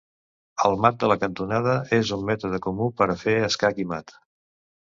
El mat de la cantonada és un mètode comú per fer escac i mat.